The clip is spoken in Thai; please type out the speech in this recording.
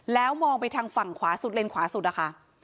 แล้วมองไปทางฝั่งขวาสุดเลนขวาสุดอะค่ะ